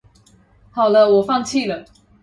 好了我放棄了